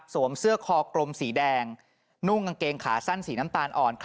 เสื้อคอกลมสีแดงนุ่งกางเกงขาสั้นสีน้ำตาลอ่อน